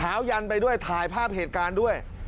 ขาวเย็นไปทายภาพเหตุการณ์ด้วย